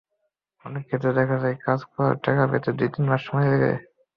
অনেক ক্ষেত্রে দেখা যায়, কাজ করার টাকা পেতে দুই-তিন মাস সময় লাগে।